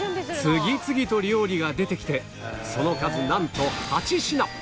次々と料理が出てきてその数なんと８品